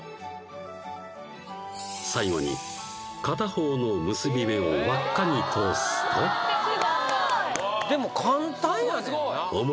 最後に片方の結び目を輪っかに通すとすごーい！